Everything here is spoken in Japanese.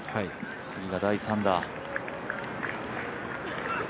次が第３打。